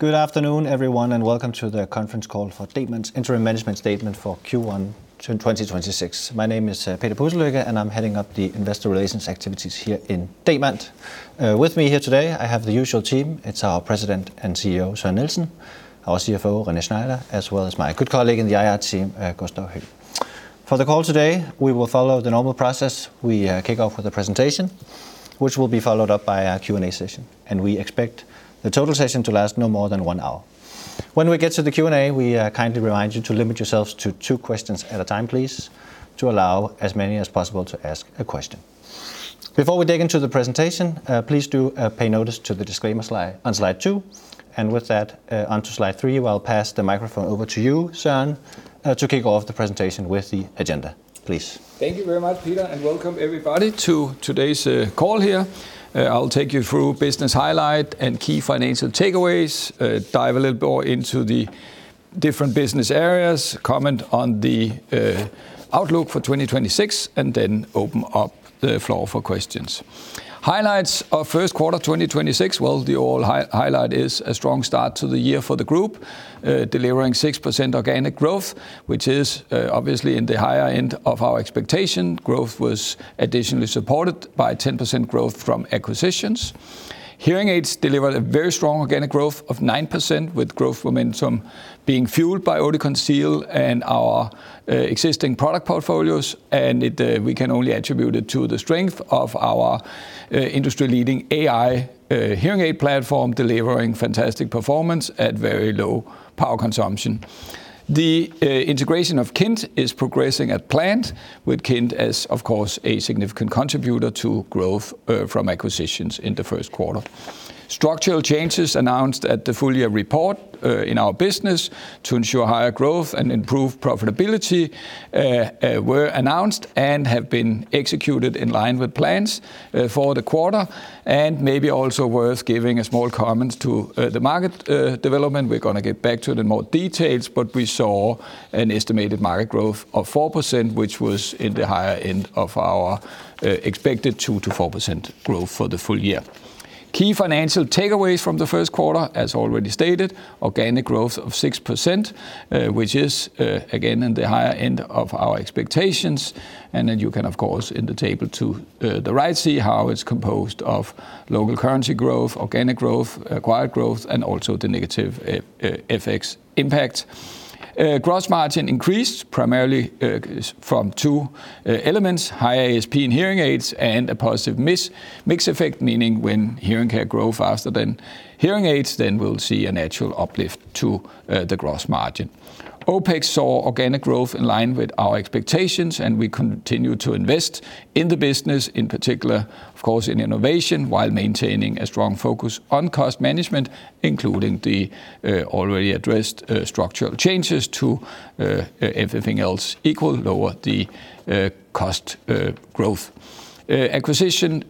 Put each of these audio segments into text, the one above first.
Good afternoon, everyone, and welcome to the conference call for Demant's interim management statement for Q1 turn 2026. My name is Peter Pudselykke, and I'm heading up the investor relations activities here in Demant. With me here today, I have the usual team. It's our President and CEO, Søren Nielsen, our CFO, René Schneider, as well as my good colleague in the IR team, Gustav Høegh. For the call today, we will follow the normal process. We kick off with a presentation, which will be followed up by a Q&A session, and we expect the total session to last no more than one hour. When we get to the Q&A, we kindly remind you to limit yourselves to two questions at a time, please, to allow as many as possible to ask a question. Before we dig into the presentation, please do pay notice to the disclaimer slide on Slide two. With that, onto Slide three, I'll pass the microphone over to you, Søren, to kick off the presentation with the agenda. Please. Thank you very much, Peter, and welcome everybody to today's call here. I'll take you through business highlight and key financial takeaways, dive a little more into the different business areas, comment on the outlook for 2026, and then open up the floor for questions. Highlights of first quarter 2026. Well, the overall highlight is a strong start to the year for the group, delivering 6% organic growth, which is obviously in the higher end of our expectation. Growth was additionally supported by 10% growth from acquisitions. Hearing Aids delivered a very strong organic growth of 9% with growth momentum being fueled by Oticon Zeal and our existing product portfolios, and we can only attribute it to the strength of our industry-leading AI hearing aid platform, delivering fantastic performance at very low power consumption. The integration of KIND is progressing as planned, with KIND as, of course, a significant contributor to growth from acquisitions in the first quarter. Structural changes announced at the full-year report in our business to ensure higher growth and improve profitability were announced and have been executed in line with plans for the quarter, and maybe also worth giving a small comment to the market development. We're gonna get back to it in more details, but we saw an estimated market growth of 4%, which was in the higher end of our expected 2%-4% growth for the full year. Key financial takeaways from the first quarter, as already stated, organic growth of 6%, which is again, in the higher end of our expectations. Then you can, of course, in the table to the right, see how it's composed of local currency growth, organic growth, acquired growth, and also the negative FX impact. Gross margin increased primarily from two elements, high ASP in hearing aids and a positive mix effect, meaning when hearing care grow faster than hearing aids, then we'll see a natural uplift to the gross margin. OpEx saw organic growth in line with our expectations, and we continue to invest in the business, in particular, of course, in innovation, while maintaining a strong focus on cost management, including the already addressed structural changes to everything else equal, lower the cost growth. Acquisition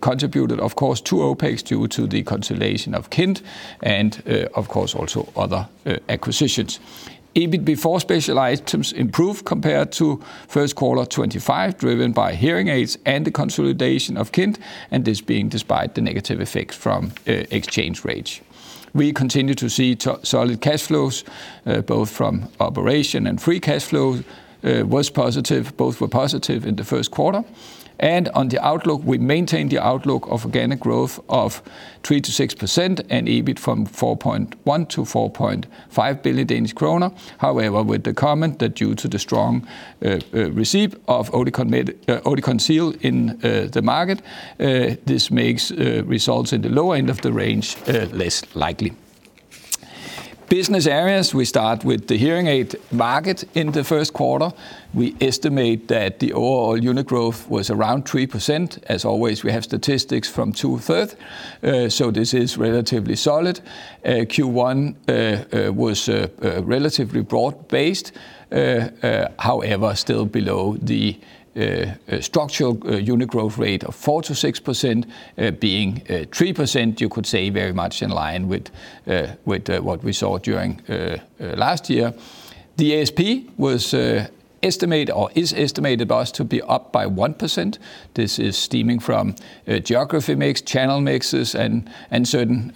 contributed, of course, to OpEx due to the consolidation of KIND and, of course, also other acquisitions. EBIT before specialized items improved compared to first quarter 2025, driven by Hearing Aids and the consolidation of KIND, and this being despite the negative effects from exchange rates. We continue to see solid cash flows, both from operation and free cash flow, was positive. Both were positive in the first quarter. On the outlook, we maintain the outlook of organic growth of 3%-6% and EBIT from 4.1 billion-4.5 billion Danish kroner. However, with the comment that due to the strong receive of Oticon Zeal in the market, this makes results in the lower end of the range less likely. Business areas, we start with the hearing aid market in the first quarter. We estimate that the overall unit growth was around 3%. As always, we have statistics from 2/3, so this is relatively solid. Q1 was relatively broad-based, however, still below the structural unit growth rate of 4%-6%, being 3%, you could say, very much in line with what we saw during last year. The ASP was estimated or is estimated by us to be up by 1%. This is stemming from geography mix, channel mixes, and certain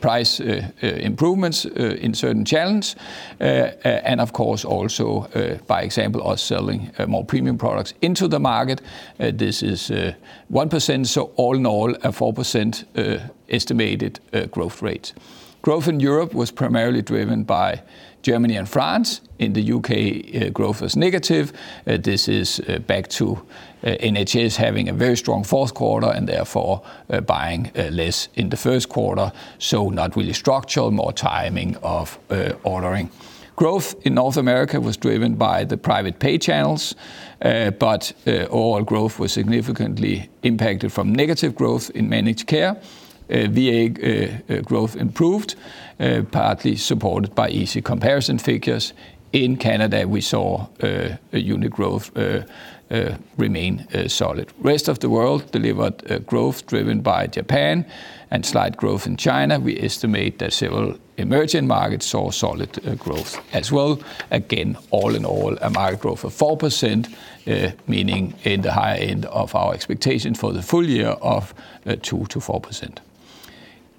price improvements in certain channels. Of course, also, by example, us selling more premium products into the market. This is 1%, so all in all, a 4% estimated growth rate. Growth in Europe was primarily driven by Germany and France. In the U.K., growth was negative. This is back to NHS having a very strong fourth quarter and therefore buying less in the first quarter, not really structural, more timing of ordering. Growth in North America was driven by the private pay channels, overall growth was significantly impacted from negative growth in managed care. VA growth improved, partly supported by easy comparison figures. In Canada, we saw unit growth remain solid. Rest of the world delivered growth driven by Japan and slight growth in China. We estimate that several emerging markets saw solid growth as well. All in all, a market growth of 4%, meaning in the high end of our expectation for the full year of 2%-4%.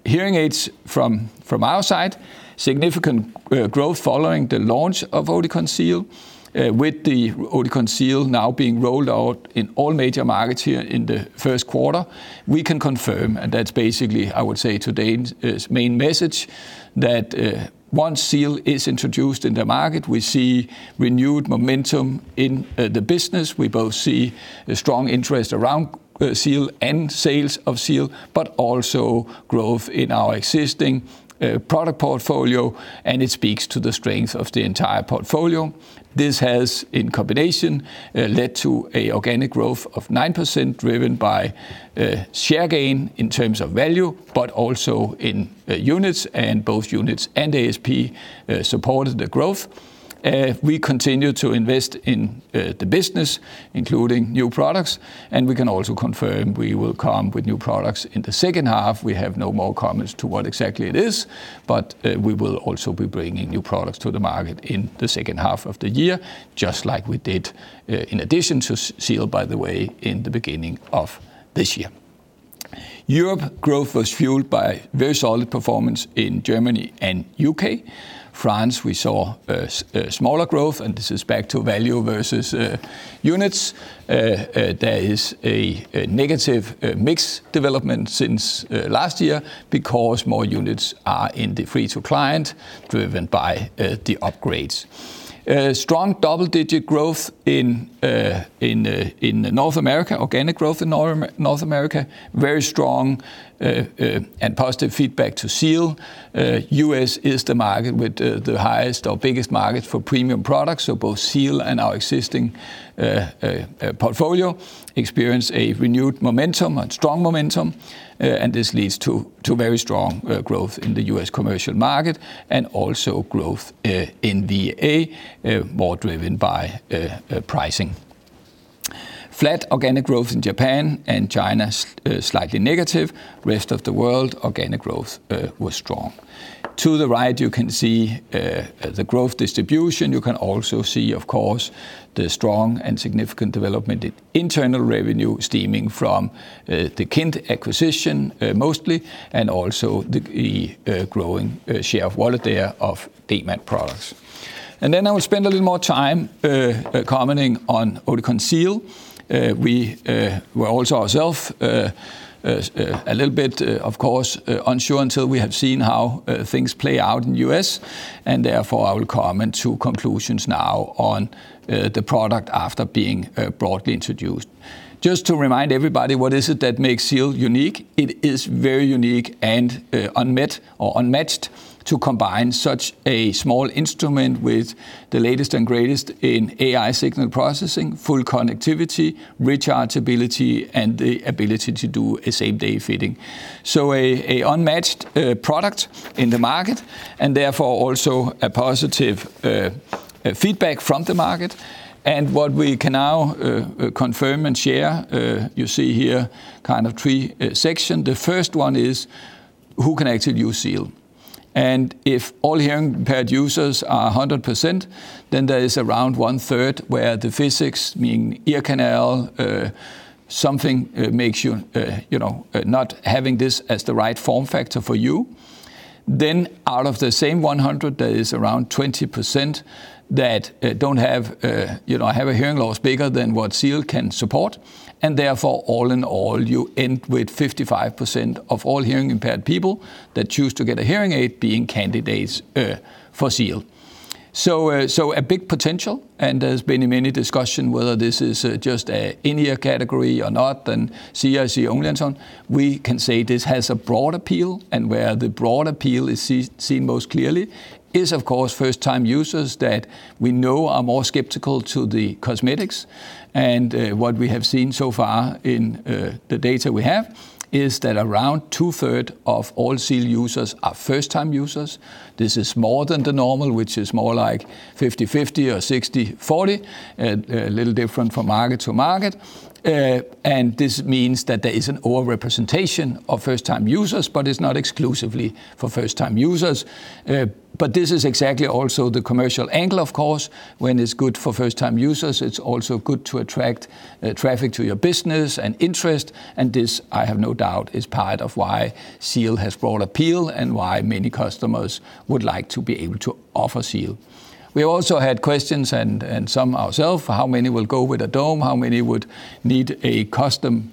Hearing Aids from our side, significant growth following the launch of Oticon Zeal, with the Oticon Zeal now being rolled out in all major markets here in the first quarter. We can confirm, and that's basically, I would say, today's main message, that once Zeal is introduced in the market, we see renewed momentum in the business. We both see a strong interest around Zeal and sales of Zeal, but also growth in our existing product portfolio, and it speaks to the strength of the entire portfolio. This has, in combination, led to a organic growth of 9% driven by share gain in terms of value, but also in units, and both units and ASP supported the growth. We continue to invest in the business, including new products, and we can also confirm we will come with new products in the second half. We have no more comments to what exactly it is, but we will also be bringing new products to the market in the second half of the year, just like we did, in addition to Zeal, by the way, in the beginning of this year. Europe growth was fueled by very solid performance in Germany and U.K. France, we saw smaller growth, and this is back to value versus units. There is a negative mix development since last year because more units are in the free-to-client, driven by the upgrades. Strong double-digit growth in North America, organic growth in North America. Very strong and positive feedback to Zeal. U.S. is the market with the highest or biggest market for premium products. Both Zeal and our existing portfolio experience a renewed momentum, a strong momentum, and this leads to very strong growth in the U.S. commercial market and also growth in VA, more driven by pricing. Flat organic growth in Japan, China slightly negative. Rest of the world, organic growth was strong. To the right, you can see the growth distribution. You can also see, of course, the strong and significant development in internal revenue stemming from the KIND acquisition, mostly, and also the growing share of wallet there of Demant products. I will spend a little more time commenting on Oticon Zeal. We were also ourself a little bit, of course, unsure until we have seen how things play out in U.S., therefore I will comment to conclusions now on the product after being broadly introduced. Just to remind everybody what is it that makes Zeal unique, it is very unique and unmet or unmatched to combine such a small instrument with the latest and greatest in AI signal processing, full connectivity, rechargeability, and the ability to do a same-day fitting. A unmatched product in the market and therefore also a positive feedback from the market. What we can now confirm and share, you see here kind of three sections. The first one is who can actually use Zeal? If all hearing-impaired users are 100%, then there is around 1/3 where the physics, meaning ear canal, something, makes you know, not having this as the right form factor for you. Out of the same 100%, there is around 20% that don't have, you know, have a hearing loss bigger than what Zeal can support. Therefore, all in all, you end with 55% of all hearing-impaired people that choose to get a hearing aid being candidates for Zeal. A big potential, and there's been many discussions whether this is just a in-ear category or not, and CIC only and so on. We can say this has a broad appeal, and where the broad appeal is seen most clearly is, of course, first-time users that we know are more skeptical to the cosmetics. What we have seen so far in the data we have is that around 2/3 of all Zeal users are first-time users. This is more than the normal, which is more like 50/50 or 60/40. A little different from market-to-market. This means that there is an overrepresentation of first-time users, but it's not exclusively for first-time users. This is exactly also the commercial angle, of course. When it's good for first-time users, it's also good to attract traffic to your business and interest, and this, I have no doubt, is part of why Zeal has broad appeal and why many customers would like to be able to offer Zeal. We also had questions and some ourself, how many will go with a dome? How many would need a custom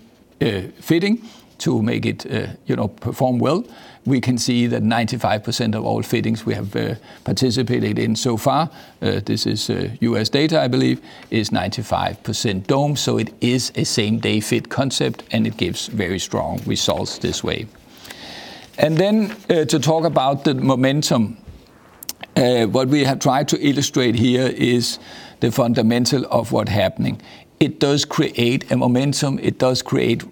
fitting to make it, you know, perform well? We can see that 95% of all fittings we have participated in so far, this is U.S. data I believe, is 95% dome. It is a same-day-fit concept, and it gives very strong results this way. To talk about the momentum, what we have tried to illustrate here is the fundamental of what happening. It does create a momentum. It does create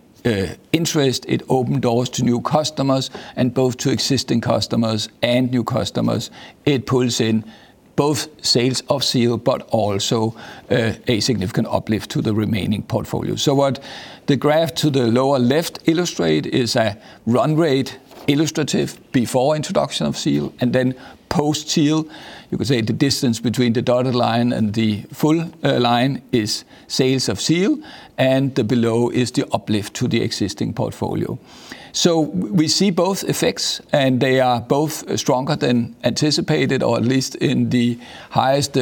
interest. It open doors to new customers, and both to existing customers and new customers, it pulls in both sales of Zeal but also, a significant uplift to the remaining portfolio. What the graph to the lower left illustrate is a run rate illustrative before introduction of Zeal, and then post-Zeal, you could say the distance between the dotted line and the full line, is sales of Zeal, and the below is the uplift to the existing portfolio. We see both effects, and they are both stronger than anticipated, or at least in the highest,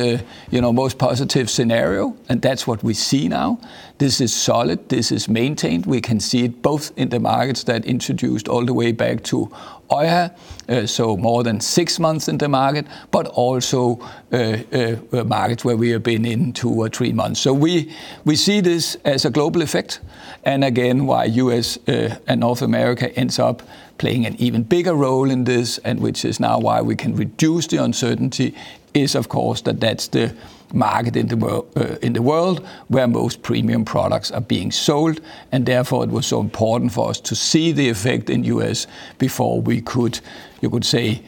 you know, most positive scenario, and that's what we see now. This is solid. This is maintained. We can see it both in the markets that introduced all the way back to OHA, so more than six months in the market, but also, markets where we have been in two or three months. We see this as a global effect. Again, why U.S., and North America ends up playing an even bigger role in this, and which is now why we can reduce the uncertainty, is of course, that that's the market in the world where most premium products are being sold. Therefore, it was so important for us to see the effect in the U.S. before we could, you could say,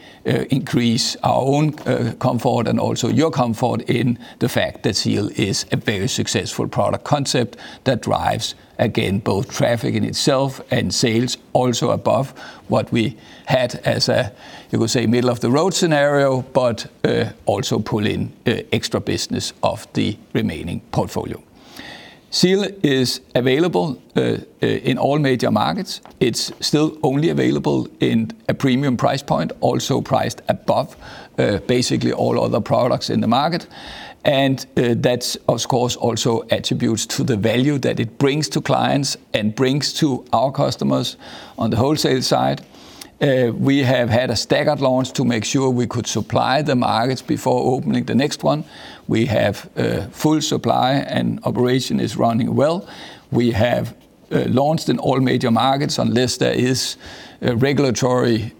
increase our own comfort and also your comfort in the fact that Zeal is a very successful product concept that drives, again, both traffic in itself and sales also above what we had as a, you could say, middle of the road scenario, but also pull in extra business of the remaining portfolio. Zeal is available in all major markets. It's still only available in a premium price point, also priced above basically all other products in the market. That's of course also attributes to the value that it brings to clients and brings to our customers on the wholesale side. We have had a staggered launch to make sure we could supply the markets before opening the next one. We have full supply and operation is running well. We have launched in all major markets unless there is regulatory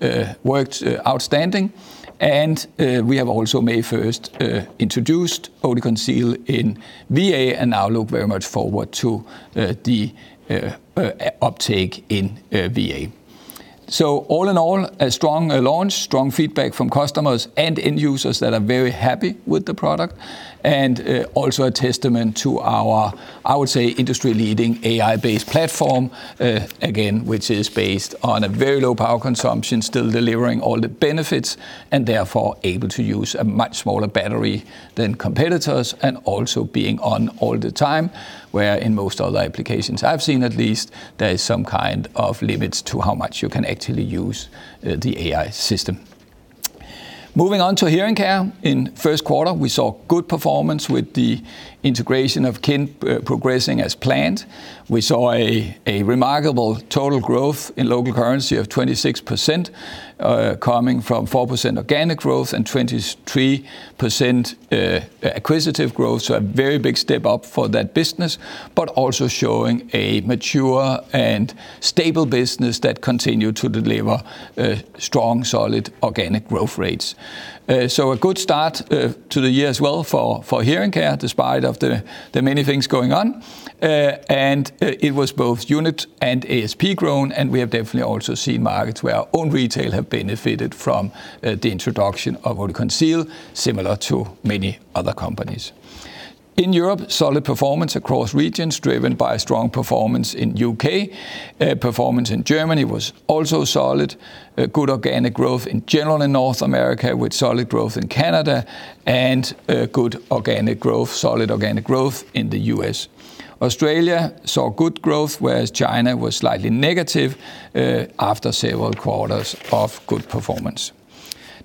works outstanding. We have also May 1st introduced Oticon Zeal in VA and now look very much forward to the uptake in VA. All in all, a strong launch, strong feedback from customers and end users that are very happy with the product, and also a testament to our, I would say, industry-leading AI-based platform, again, which is based on a very low power consumption, still delivering all the benefits and therefore able to use a much smaller battery than competitors, and also being on all the time, where in most other applications I've seen at least, there is some kind of limits to how much you can actually use the AI system. Moving on to hearing care. In first quarter, we saw good performance with the integration of KIND progressing as planned. We saw a remarkable total growth in local currency of 26%, coming from 4% organic growth and 23% acquisitive growth. A very big step up for that business, but also showing a mature and stable business that continue to deliver strong, solid organic growth rates. A good start to the year as well for hearing care despite of the many things going on. It was both unit and ASP grown, and we have definitely also seen markets where our own retail have benefited from the introduction of Oticon Zeal, similar to many other companies. In Europe, solid performance across regions driven by strong performance in U.K. Performance in Germany was also solid. Good organic growth in general in North America, with solid growth in Canada and solid organic growth in the U.S. Australia saw good growth, whereas China was slightly negative after several quarters of good performance.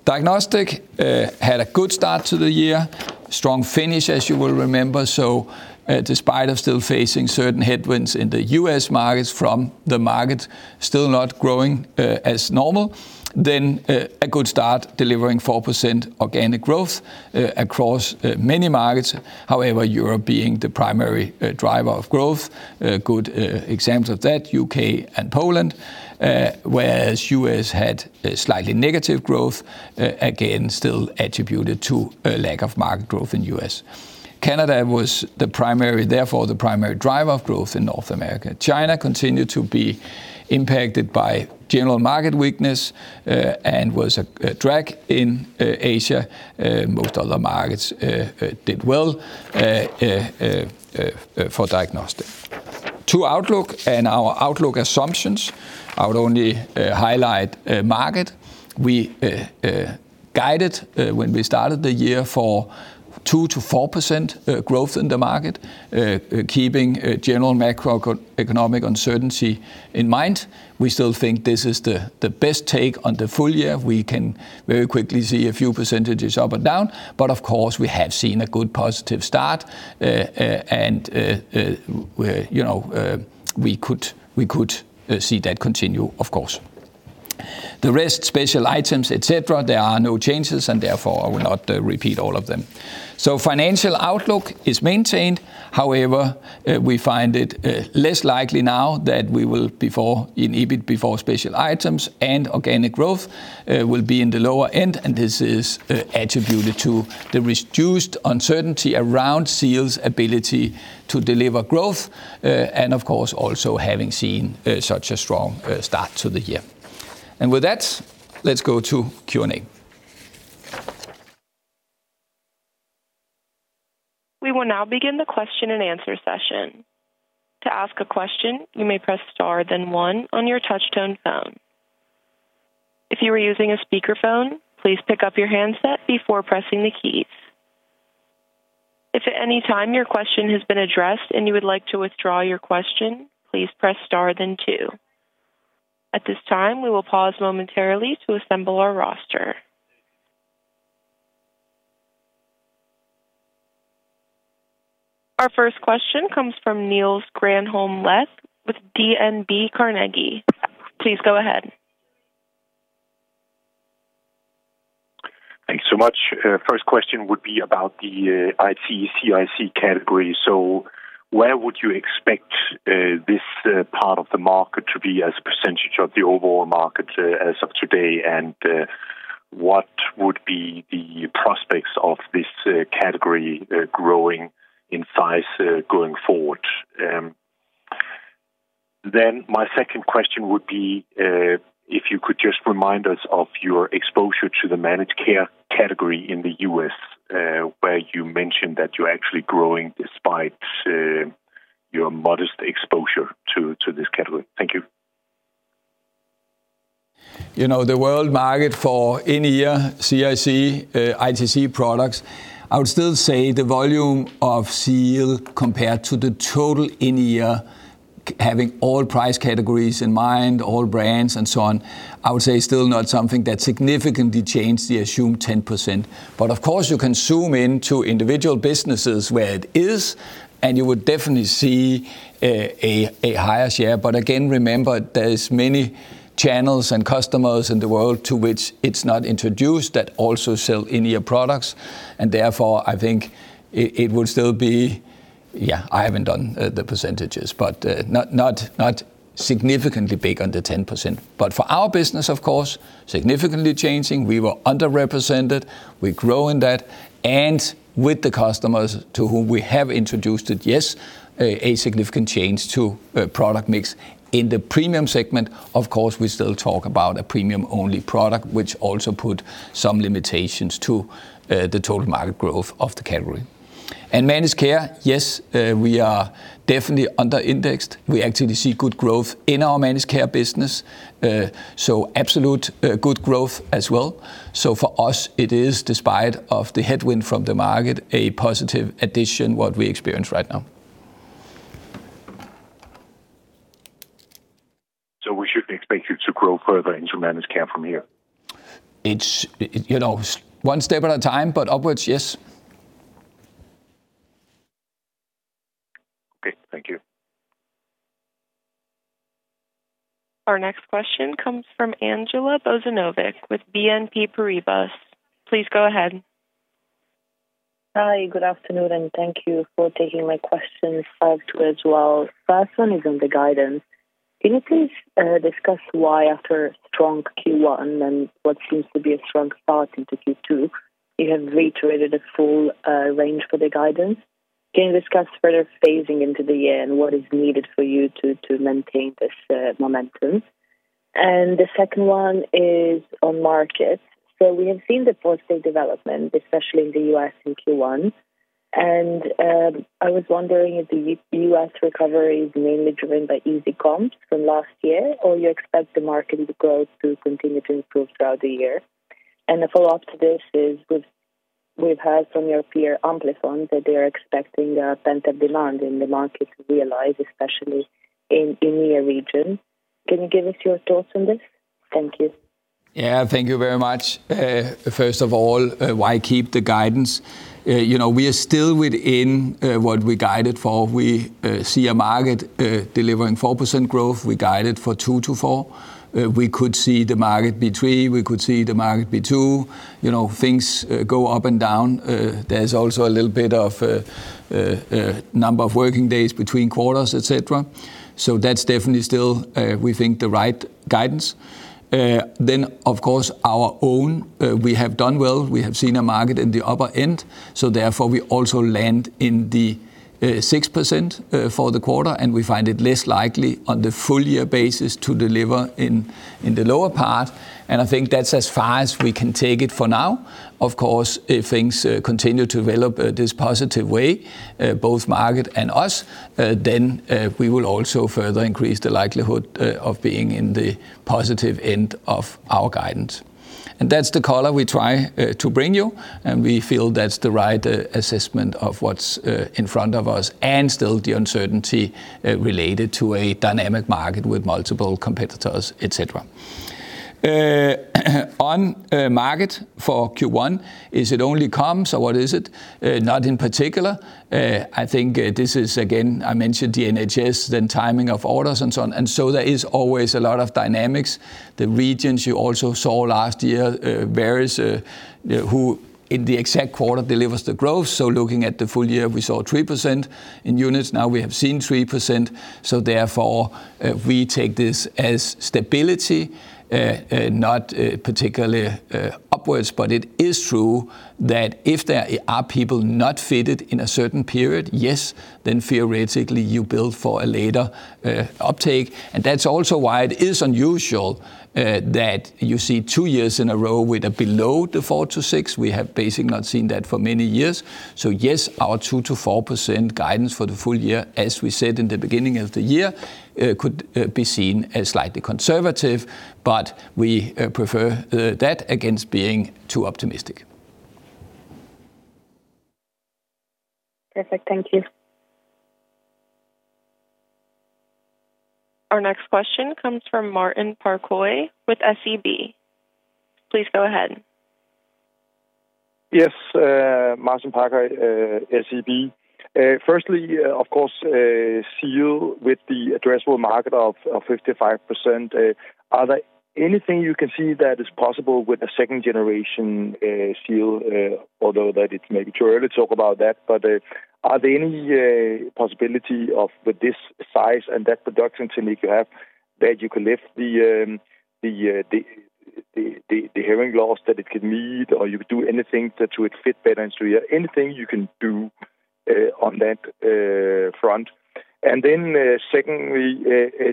Diagnostic had a good start to the year. Strong finish, as you will remember. Despite of still facing certain headwinds in the U.S. markets from the market still not growing as normal, then a good start, delivering 4% organic growth across many markets. However, Europe being the primary driver of growth. Good examples of that, U.K. and Poland. Whereas U.S. had slightly negative growth again, still attributed to a lack of market growth in U.S. Canada was therefore the primary driver of growth in North America. China continued to be impacted by general market weakness and was a drag in Asia. Most other markets did well for Diagnostic. To outlook and our outlook assumptions, I would only highlight market. We guided when we started the year for 2%-4% growth in the market, keeping general macroeconomic uncertainty in mind. We still think this is the best take on the full year. We can very quickly see a few percentages up or down. Of course, we have seen a good positive start. You know, we could see that continue, of course. The rest, special items, et cetera, there are no changes, and therefore I will not repeat all of them. Financial outlook is maintained. However, we find it less likely now that we will before in EBIT, before special items and organic growth, will be in the lower end, and this is attributed to the reduced uncertainty around Zeal's ability to deliver growth. Of course, also having seen such a strong start to the year. With that, let's go to Q&A. We will now begin the question and answer session. To ask a question, you may press star then one on your touch-tone phone. If you are using a speakerphone, please pick up your handset before pressing the key. If at anytime your question has been addressed and you would like to withdraw your question, press star then two. At this time, we will pause momentarily to assemble our roaster. Our first question comes from Niels Granholm-Leth with DNB Carnegie. Please go ahead. Thanks so much. First question would be about the ITC, CIC category. Where would you expect this part of the market to be as percentage of the overall market as of today? What would be the prospects of this category growing in size going forward? My second question would be if you could just remind us of your exposure to the managed care category in the U.S., where you mentioned that you're actually growing despite your modest exposure to this category. Thank you. You know, the world market for in-ear CIC, ITC products, I would still say the volume of Zeal compared to the total in-ear, having all price categories in mind, all brands and so on, I would say still not something that significantly changed the assumed 10%. Of course, you can zoom into individual businesses where it is, and you would definitely see a higher share. Again, remember, there is many channels and customers in the world to which it's not introduced that also sell in-ear products. Therefore, I think it would still be Yeah, I haven't done the percentages, but not significantly big under 10%. For our business, of course, significantly changing. We were underrepresented. We grow in that. With the customers to whom we have introduced it, yes, a significant change to product mix. In the premium segment, of course, we still talk about a premium-only product, which also put some limitations to the total market growth of the category. Managed care, yes, we are definitely under-indexed. We actually see good growth in our managed care business. Absolute good growth as well. For us, it is despite of the headwind from the market, a positive addition what we experience right now. We should expect you to grow further into managed care from here? It's, you know, one step at a time, but upwards, yes. Okay. Thank you. Our next question comes from Andjela Bozinovic with BNP Paribas. Please go ahead. Hi. Good afternoon, thank you for taking my questions as well. First one is on the guidance. Can you please discuss why after a strong Q1 and what seems to be a strong start into Q2, you have reiterated a full range for the guidance? Can you discuss further phasing into the year and what is needed for you to maintain this momentum? The second one is on market. We have seen the positive development, especially in the U.S. in Q1. I was wondering if the U.S. recovery is mainly driven by easy comps from last year, or you expect the market growth to continue to improve throughout the year. The follow-up to this is we've heard from your peer Amplifon that they are expecting a pent-up demand in the market to realize, especially in EMEA region. Can you give us your thoughts on this? Thank you. Thank you very much. First of all, why keep the guidance? You know, we are still within what we guided for. We see a market delivering 4% growth. We guided for 2%-4%. We could see the market be 3%. We could see the market be 2%. You know, things go up and down. There's also a little bit of number of working days between quarters, et cetera. That's definitely still we think the right guidance. Of course, our own, we have done well. We have seen a market in the upper end, so therefore we also land in the 6% for the quarter, and we find it less likely on the full year basis to deliver in the lower part. I think that's as far as we can take it for now. Of course, if things continue to develop this positive way, both market and us, then we will also further increase the likelihood of being in the positive end of our guidance. That's the color we try to bring you, and we feel that's the right assessment of what's in front of us and still the uncertainty related to a dynamic market with multiple competitors, et cetera. On market for Q1, is it only comps or what is it? Not in particular. I think this is again, I mentioned the NHS, then timing of orders and so on. There is always a lot of dynamics. The regions you also saw last year, varies, who in the exact quarter delivers the growth. Looking at the full year, we saw 3% in units. Now we have seen 3%, therefore, we take this as stability, not particularly upwards. It is true that if there are people not fitted in a certain period, yes, then theoretically you build for a later uptake. That's also why it is unusual that you see two years in a row with a below the 4%-6%. We have basically not seen that for many years. Yes, our 2%-4% guidance for the full year, as we said in the beginning of the year, could be seen as slightly conservative, but we prefer that against being too optimistic. Perfect. Thank you. Our next question comes from Martin Parkhøi with SEB. Please go ahead. Yes, Martin Parkhøi, SEB. Firstly, of course, Zeal with the addressable market of 55%, are there anything you can see that is possible with the second generation Zeal, although that it's maybe too early to talk about that. Are there any possibility of with this size and that production technique you have, that you can lift the hearing loss that it can meet? Anything you can do on that front? Secondly,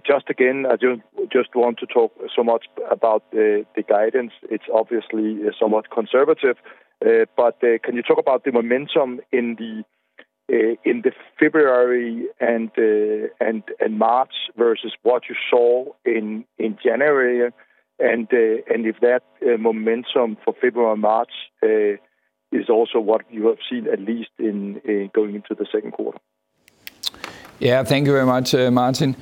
just again, I don't just want to talk so much about the guidance. It's obviously somewhat conservative. Can you talk about the momentum in the February and March versus what you saw in January and if that momentum for February, March is also what you have seen at least in going into the second quarter? Yeah. Thank you very much, Martin.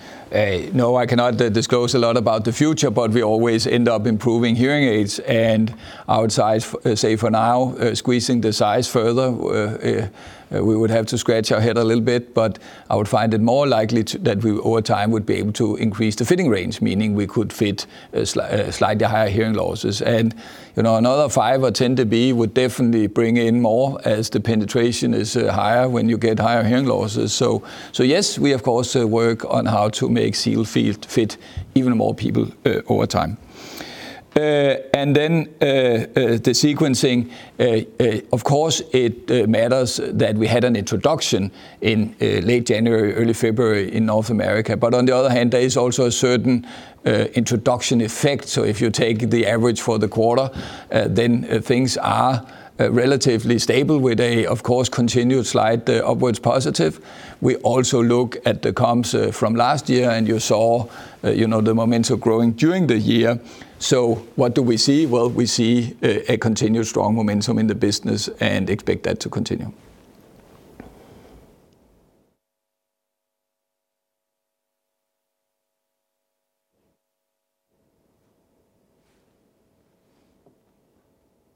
No, I cannot disclose a lot about the future, but we always end up improving hearing aids. I would say for now, squeezing the size further, we would have to scratch our head a little bit, but I would find it more likely to, that we over time would be able to increase the fitting range. Meaning we could fit slightly higher hearing losses. You know, another five or 10 to beat would definitely bring in more as the penetration is higher when you get higher hearing losses. Yes, we of course work on how to make Zeal fit even more people over time. The sequencing. Of course it matters that we had an introduction in late January, early February in North America. On the other hand, there is also a certain introduction effect. If you take the average for the quarter, things are relatively stable with a, of course, continued slide upwards positive. We also look at the comps from last year, and you saw, you know, the momentum growing during the year. What do we see? We see a continued strong momentum in the business and expect that to continue.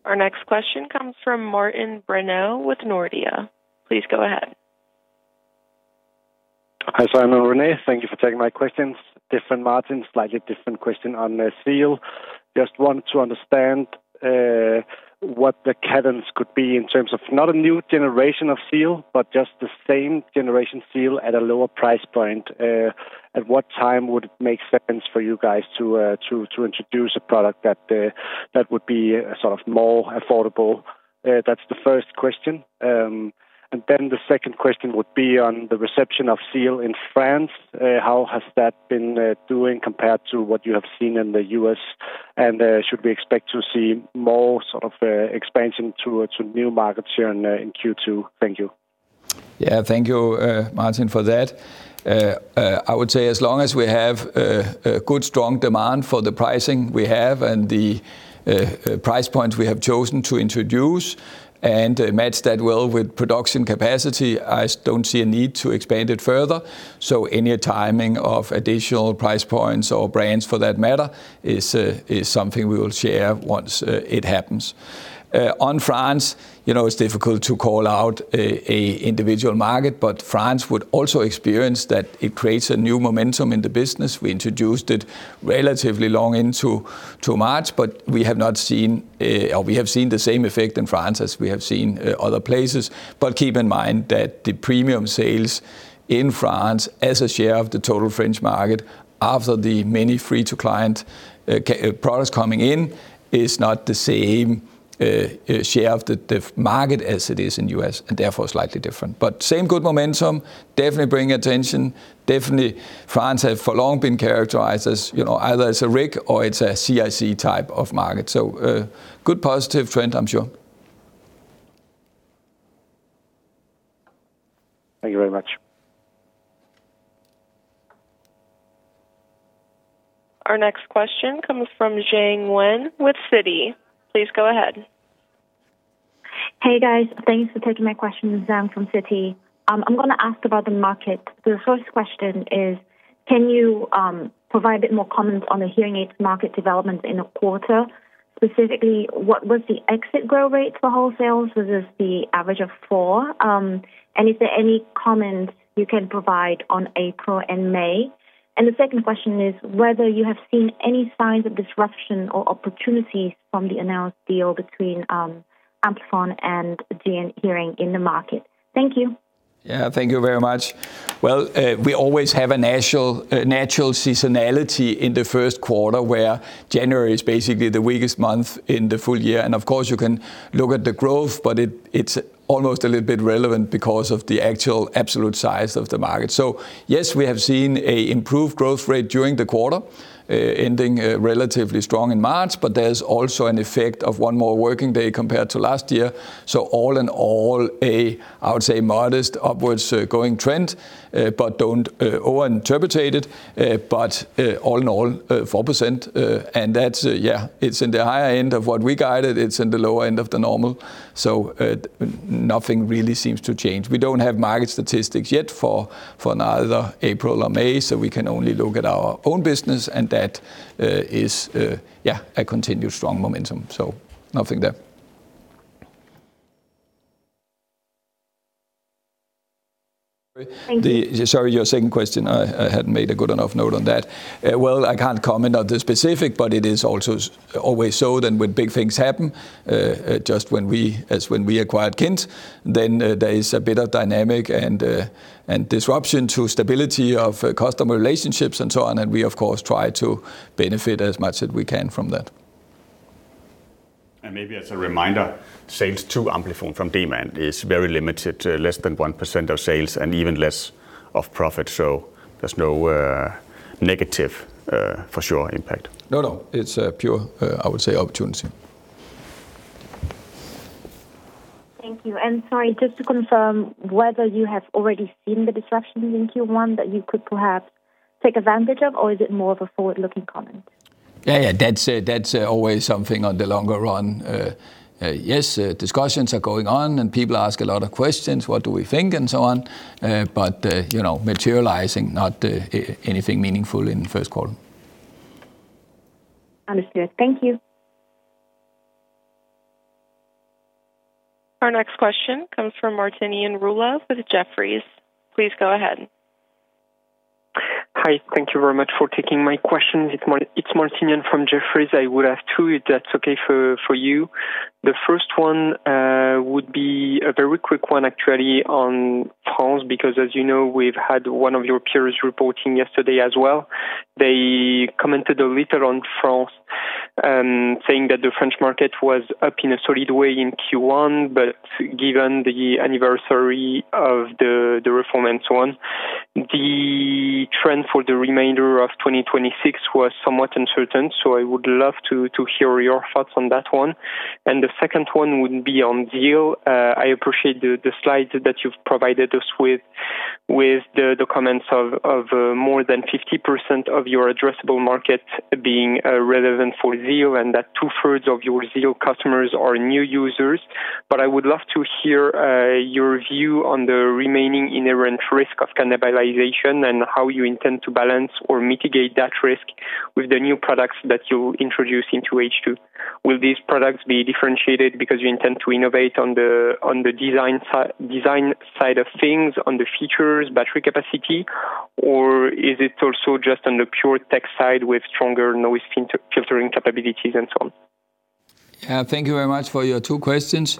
Our next question comes from Martin Brenøe with Nordea. Please go ahead. Hi, Søren and René. Thank you for taking my questions. Different Martin, slightly different question on the Zeal. Just want to understand what the cadence could be in terms of not a new generation of Zeal, but just the same generation Zeal at a lower price point. At what time would it make sense for you guys to introduce a product that would be sort of more affordable? That's the first question. Then the second question would be on the reception of Zeal in France. How has that been doing compared to what you have seen in the U.S.? Should we expect to see more sort of expansion to new markets here in Q2? Thank you. Yeah. Thank you, Martin, for that. I would say as long as we have a good strong demand for the pricing we have and the price point we have chosen to introduce and match that well with production capacity, I don't see a need to expand it further. Any timing of additional price points or brands for that matter is something we will share once it happens. On France, you know, it's difficult to call out a individual market. France would also experience that it creates a new momentum in the business. We introduced it relatively long into March, but we have not seen, or we have seen the same effect in France as we have seen other places. Keep in mind that the premium sales in France as a share of the total French market after the many free-to-client products coming in, is not the same share of the market as it is in U.S., and therefore slightly different. Same good momentum, definitely bring attention. Definitely France have for long been characterized as, you know, either as a RIC or it's a CIC type of market. Good positive trend, I'm sure. Thank you very much. Our next question comes from [Zieng Wen] with Citi. Please go ahead. Hey, guys. Thanks for taking my question. This is Zhang from Citi. I'm gonna ask about the market. The first question is, can you provide a bit more comment on the hearing aids market development in the quarter? Specifically, what was the exit growth rate for wholesales? Was this the average of 4%? Is there any comment you can provide on April and May? The second question is whether you have seen any signs of disruption or opportunities from the announced deal between Amplifon and GN Hearing in the market. Thank you. Yeah. Thank you very much. Well, we always have a natural seasonality in the first quarter, where January is basically the weakest month in the full year. Of course, you can look at the growth, but it's almost a little bit relevant because of the actual absolute size of the market. Yes, we have seen a improved growth rate during the quarter, ending relatively strong in March, but there's also an effect of one more working day compared to last year. All in all, a, I would say, modest upwards going trend, but don't overinterpret it. All in all, 4%, and that's, yeah, it's in the higher end of what we guided. It's in the lower end of the normal. Nothing really seems to change. We don't have market statistics yet for neither April or May, so we can only look at our own business, and that is, yeah, a continued strong momentum. Nothing there. Sorry, your second question, I hadn't made a good enough note on that. Well, I can't comment on the specific, but it is also always so then when big things happen, just when we, as when we acquired KIND, then there is a bit of dynamic and disruption to stability of customer relationships and so on. We of course, try to benefit as much as we can from that. Maybe as a reminder, sales to Amplifon from Demant is very limited to less than 1% of sales and even less of profit. There's no negative for sure impact. No, no, it's a pure, I would say opportunity. Thank you. Sorry, just to confirm whether you have already seen the disruptions in Q1 that you could perhaps take advantage of, or is it more of a forward-looking comment? Yeah, yeah. That's always something on the longer run. Yes, discussions are going on and people ask a lot of questions, what do we think and so on. You know, materializing not anything meaningful in the first quarter. Understood. Thank you. Our next question comes from Martinien Rula with Jefferies. Please go ahead. Hi. Thank you very much for taking my questions. It's Martinien from Jefferies. I would have two, if that's okay for you. The first one would be a very quick one actually on France, because as you know, we've had one of your peers reporting yesterday as well. They commented a little on France, saying that the French market was up in a solid way in Q1. Given the anniversary of the reform and so on, the trend for the remainder of 2026 was somewhat uncertain. I would love to hear your thoughts on that one. The second one would be on Zeal. I appreciate the slides that you've provided us with the comments of, more than 50% of your addressable market being relevant for Zeal, and that 2/3 of your Zeal customers are new users. But I would love to hear your view on the remaining inherent risk of cannibalization and how you intend to balance or mitigate that risk with the new products that you introduce into H2. Will these products be differentiated because you intend to innovate on the, on the design side of things, on the features, battery capacity? Or is it also just on the pure tech side with stronger noise filtering capabilities and so on? Thank you very much for your two questions.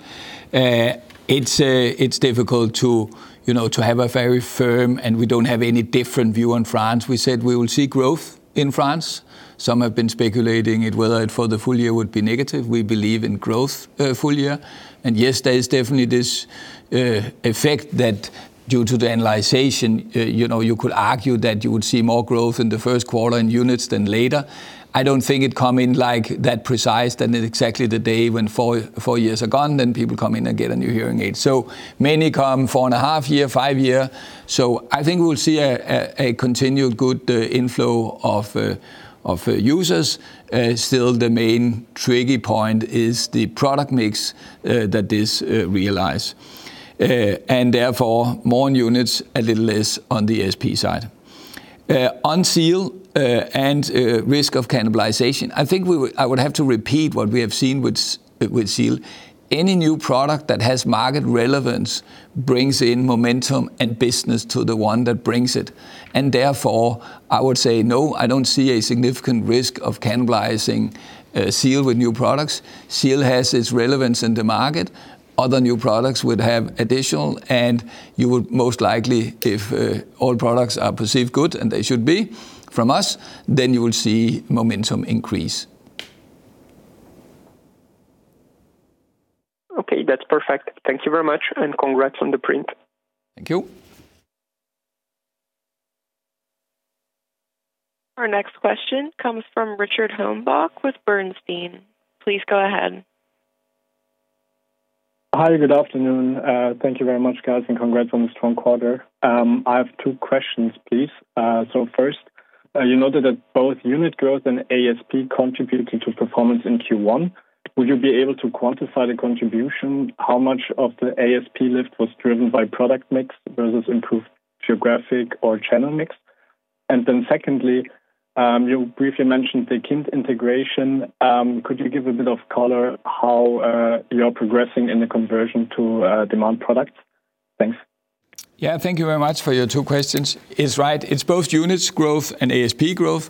It's difficult to, you know, to have a very firm, and we don't have any different view on France. We said we will see growth in France. Some have been speculating it, whether it for the full year would be negative. We believe in growth, full year. Yes, there is definitely this effect that due to the annualization, you know, you could argue that you would see more growth in the first quarter in units than later. I don't think it come in like that precise than exactly the day when four years are gone, then people come in and get a new hearing aid. Many come four and a half year, five year. I think we'll see a continued good inflow of users. Still the main tricky point is the product mix that this realize. Therefore more units, a little less on the ASP side. On Zeal, and risk of cannibalization, I think I would have to repeat what we have seen with Zeal. Any new product that has market relevance brings in momentum and business to the one that brings it. Therefore, I would say, no, I don't see a significant risk of cannibalizing Zeal with new products. Zeal has its relevance in the market. Other new products would have additional, and you would most likely, if all products are perceived good, and they should be from us, then you will see momentum increase. Okay, that's perfect. Thank you very much and congrats on the print. Thank you. Our next question comes from Richard Hombach with Bernstein. Please go ahead. Hi, good afternoon. Thank you very much, guys, and congrats on the strong quarter. I have two questions, please. First, you noted that both unit growth and ASP contributed to performance in Q1. Would you be able to quantify the contribution? How much of the ASP lift was driven by product mix versus improved geographic or channel mix? Secondly, you briefly mentioned the KIND integration. Could you give a bit of color how you're progressing in the conversion to Demant products? Thanks. Yeah. Thank you very much for your two questions. It is right. It is both units growth and ASP growth.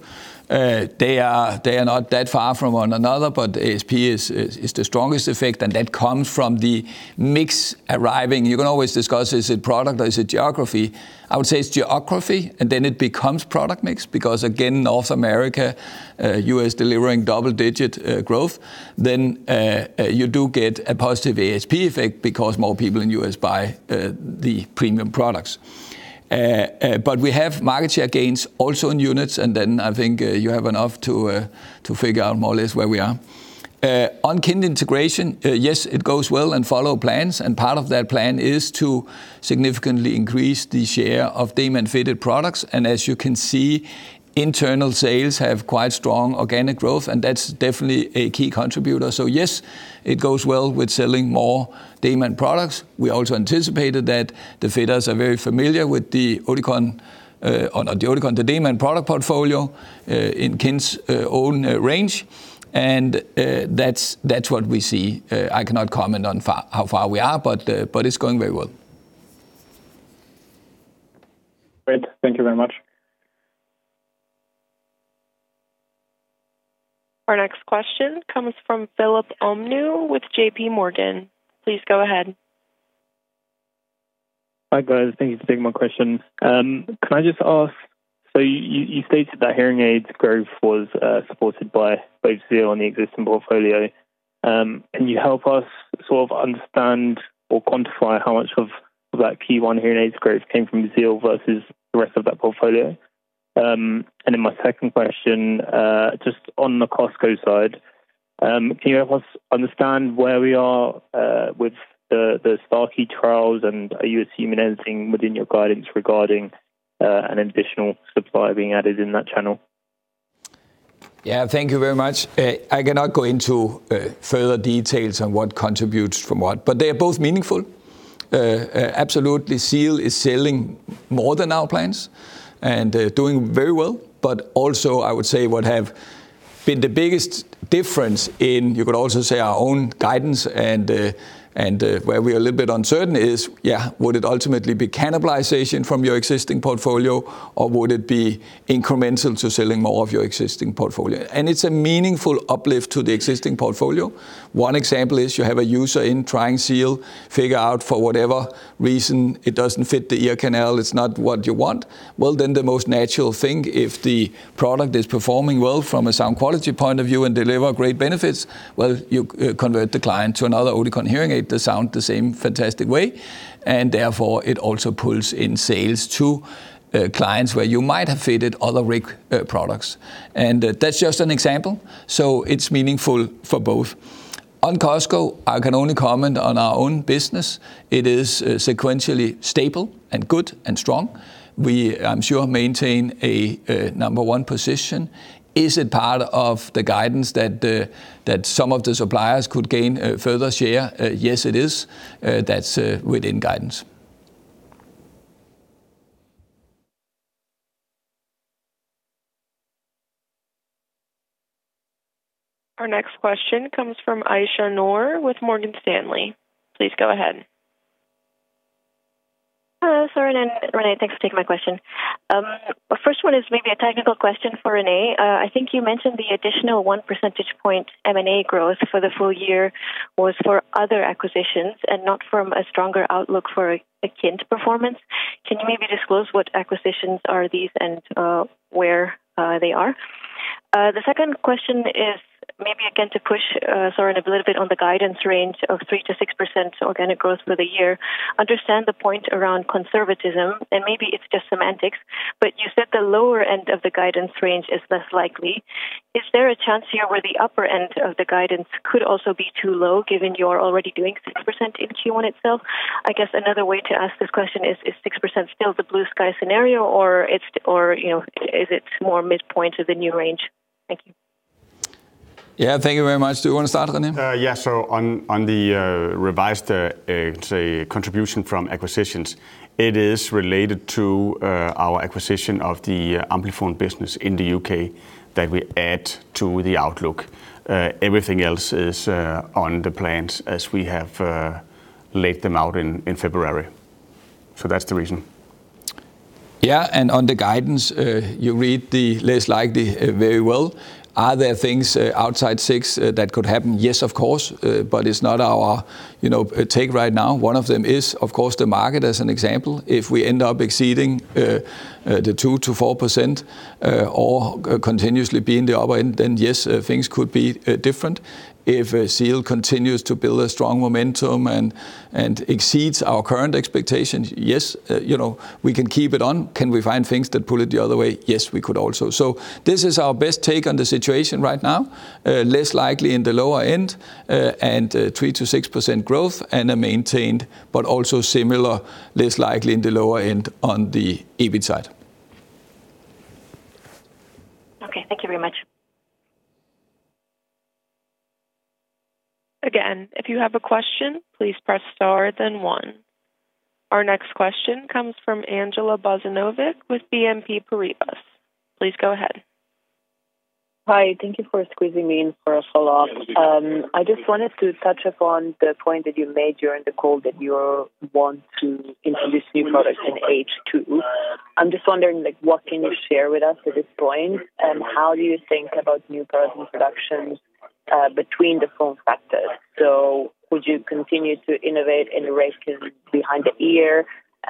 They are not that far from one another, but ASP is the strongest effect, and that comes from the mix arriving. You can always discuss, is it product or is it geography? I would say it is geography, and then it becomes product mix because again, North America, U.S. delivering double-digit growth, you do get a positive ASP effect because more people in U.S. buy the premium products. We have market share gains also in units, and then I think you have enough to figure out more or less where we are. On KIND integration, yes, it goes well and follow plans. Part of that plan is to significantly increase the share of Demant-fitted products. As you can see, internal sales have quite strong organic growth, and that's definitely a key contributor. Yes, it goes well with selling more Demant products. We also anticipated that the fitters are very familiar with the Oticon, or not the Oticon, the Demant product portfolio, in KIND's own range. That's what we see. I cannot comment on how far we are, but it's going very well. Thank you very much. Our next question comes from Philip Omnou with JPMorgan. Please go ahead. Hi, guys. Thank you for taking my question. Can I just ask, so you stated that hearing aids growth was supported by both Zeal and the existing portfolio. Can you help us sort of understand or quantify how much of that Q1 hearing aids growth came from Zeal versus the rest of that portfolio? My second question, just on the Costco side, can you help us understand where we are with the Starkey trials? Are you assuming anything within your guidance regarding an additional supplier being added in that channel? Yeah. Thank you very much. I cannot go into further details on what contributes from what, but they are both meaningful. Absolutely Zeal is selling more than our plans and doing very well. Also, I would say what have been the biggest difference in, you could also say our own guidance and where we are a little bit uncertain is, yeah, would it ultimately be cannibalization from your existing portfolio or would it be incremental to selling more of your existing portfolio? It's a meaningful uplift to the existing portfolio. One example is you have a user in trying Zeal, figure out for whatever reason it doesn't fit the ear canal, it's not what you want. The most natural thing, if the product is performing well from a sound quality point of view and deliver great benefits, you convert the client to another Oticon hearing aid that sound the same fantastic way, and therefore it also pulls in sales to clients where you might have fitted other RIC products. That's just an example, so it's meaningful for both. On Costco, I can only comment on our own business. It is sequentially stable and good and strong. We, I'm sure, maintain a number one position. Is it part of the guidance that some of the suppliers could gain further share? Yes, it is. That's within guidance. Our next question comes from Aisyah Noor with Morgan Stanley. Please go ahead. Hello, Søren and René. Thanks for taking my question. First one is maybe a technical question for René. I think you mentioned the additional 1 percentage point M&A growth for the full year was for other acquisitions and not from a stronger outlook for KIND performance. Can you maybe disclose what acquisitions are these and where they are? The second question is maybe again, to push Søren, a little bit on the guidance range of 3%-6% organic growth for the year. Understand the point around conservatism, and maybe it's just semantics, but you said the lower end of the guidance range is less likely. Is there a chance here where the upper end of the guidance could also be too low, given you are already doing 6% in Q1 itself? I guess another way to ask this question is 6% still the blue sky scenario, or, you know, is it more midpoint of the new range? Thank you. Yeah. Thank you very much. Do you wanna start, René? Yeah. On the revised say, contribution from acquisitions, it is related to our acquisition of the Amplifon business in the U.K. that we add to the outlook. Everything else is on the plans as we have laid them out in February. That's the reason. Yeah. On the guidance, you read the less likely very well. Are there things outside 6% that could happen? Yes, of course. It's not our, you know, take right now. One of them is, of course, the market, as an example. If we end up exceeding the 2%-4%, or continuously be in the upper end, yes, things could be different. If Zeal continues to build a strong momentum and exceeds our current expectations, yes, you know, we can keep it on. Can we find things that pull it the other way? Yes, we could also. This is our best take on the situation right now. Less likely in the lower end, and 3%-6% growth and a maintained, but also similar, less likely in the lower end on the EBIT side. Okay. Thank you very much. Again, if you have a question, please press star then one. Our next question comes from Andjela Bozinovic with BNP Paribas. Please go ahead. Hi. Thank you for squeezing me in for a follow-up. I just wanted to touch upon the point that you made during the call that you want to introduce new products in H2. I'm just wondering, like, what can you share with us at this point, and how do you think about new product introductions between the form factors? Would you continue to innovate and raise behind the ear,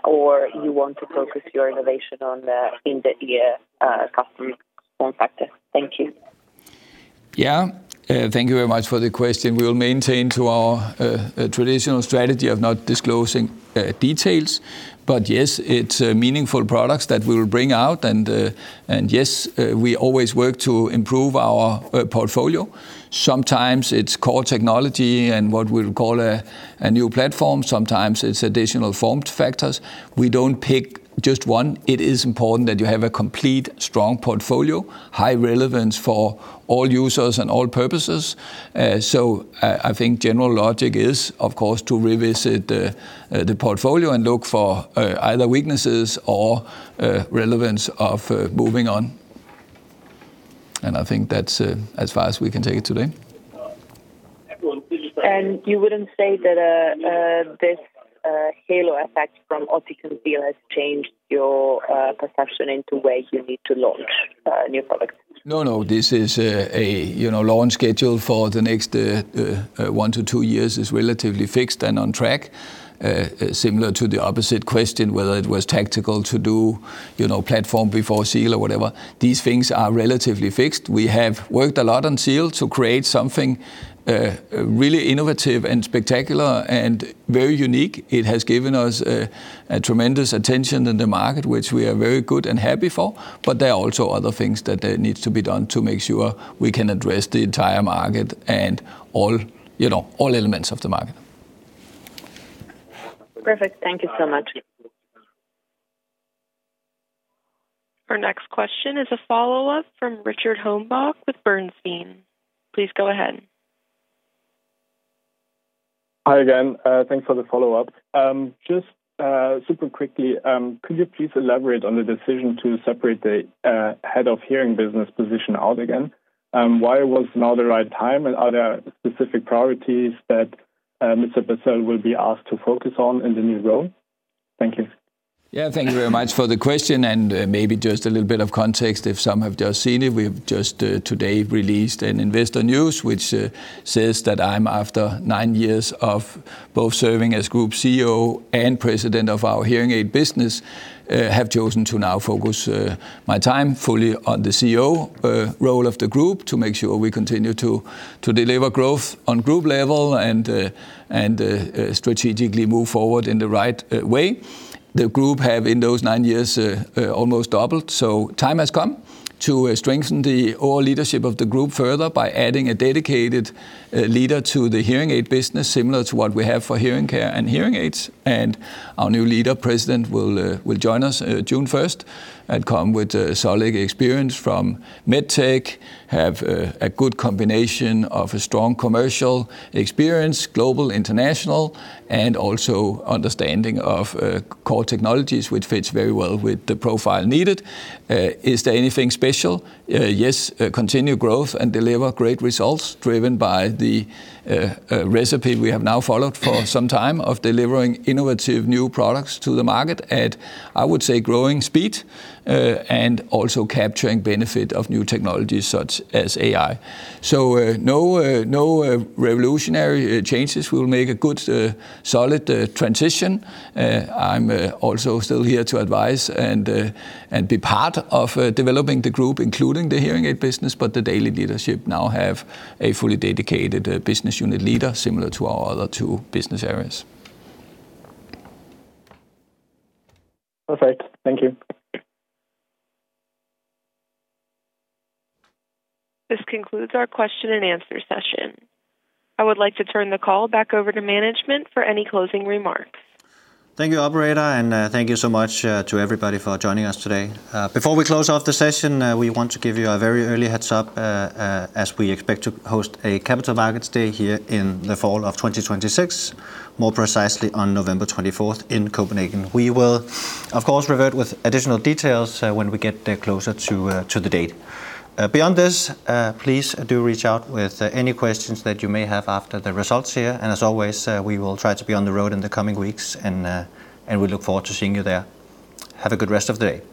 or you want to focus your innovation on the in-the-ear customer form factor? Thank you. Yeah, thank you very much for the question. We will maintain to our traditional strategy of not disclosing details, but yes, it's meaningful products that we will bring out. Yes, we always work to improve our portfolio. Sometimes it's core technology and what we'll call a new platform. Sometimes it's additional formed factors. We don't pick just one. It is important that you have a complete, strong portfolio, high relevance for all users and all purposes. I think general logic is, of course, to revisit the portfolio and look for either weaknesses or relevance of moving on. I think that's as far as we can take it today. You wouldn't say that this halo effect from Oticon Zeal has changed your perception into where you need to launch new products? No, no. This is, you know, launch schedule for the next one to two years is relatively fixed and on track. Similar to the opposite question, whether it was tactical to do, you know, platform before Zeal or whatever. These things are relatively fixed. We have worked a lot on Zeal to create something really innovative and spectacular and very unique. It has given us a tremendous attention in the market, which we are very good and happy for. There are also other things that needs to be done to make sure we can address the entire market and all, you know, all elements of the market. Perfect. Thank you so much. Our next question is a follow-up from Richard Hombach with Bernstein. Please go ahead. Hi again. Thanks for the follow-up. Just super quickly, could you please elaborate on the decision to separate the Head of Hearing business position out again? Why was now the right time, and are there specific priorities that Mr. Bassel will be asked to focus on in the new role? Thank you. Thank you very much for the question. Maybe just a little bit of context if some have just seen it. We've just today released an investor news, which says that I, after nine years of both serving as Group CEO and President of our Hearing Aid Business, have chosen to now focus my time fully on the CEO role of the Group to make sure we continue to deliver growth on Group level and strategically move forward in the right way. The Group have, in those nine years, almost doubled. Time has come to strengthen the overall leadership of the Group further by adding a dedicated leader to the Hearing Aid Business, similar to what we have for Hearing Care and Hearing Aids. Our new leader, president, will join us June 1st, and come with solid experience from MedTech, have a good combination of a strong commercial experience, global, international, and also understanding of core technologies, which fits very well with the profile needed. Is there anything special? Yes, continue growth and deliver great results driven by the recipe we have now followed for some time of delivering innovative new products to the market at, I would say, growing speed, and also capturing benefit of new technologies such as AI. No, no revolutionary changes. We'll make a good, solid transition. I'm also still here to advise and be part of developing the group, including the Hearing Aid business, but the daily leadership now have a fully dedicated business unit leader similar to our other two business areas. Perfect. Thank you. This concludes our question and answer session. I would like to turn the call back over to management for any closing remarks. Thank you, operator, and thank you so much to everybody for joining us today. Before we close off the session, we want to give you a very early heads-up as we expect to host a Capital Markets Day here in the fall of 2026. More precisely, on November 24th in Copenhagen. We will of course revert with additional details when we get closer to the date. Beyond this, please do reach out with any questions that you may have after the results here. As always, we will try to be on the road in the coming weeks, and we look forward to seeing you there. Have a good rest of the day.